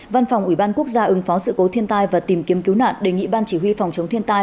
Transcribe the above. văn phòng ủy ban quốc gia ứng phó sự cố thiên tai và tìm kiếm cứu nạn đề nghị ban chỉ huy phòng chống thiên tai